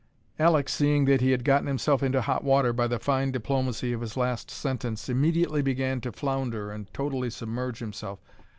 Alek, seeing that he had gotten himself into hot water by the fine diplomacy of his last sentence, immediately began to flounder and totally submerge himself.